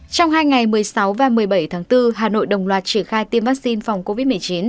trong hai ngày một mươi sáu và một mươi bảy tháng bốn hà nội đồng loạt triển khai tiêm vaccine phòng covid một mươi chín